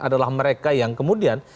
adalah mereka yang kemudian